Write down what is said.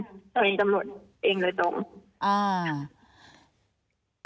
เป็นจำนวนเองเลยตรง